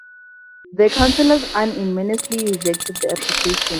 The councillors unanimously rejected the application.